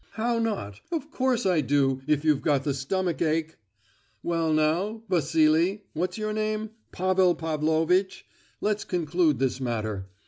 "How not; of course I do, if you've got the stomach ache! Well now, Vassili—what's your name—Pavel Pavlovitch, let's conclude this matter.